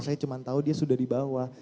saya cuma tahu dia sudah dibawa